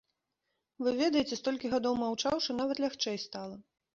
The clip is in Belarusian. Вы ведаеце, столькі гадоў маўчаўшы, нават лягчэй стала.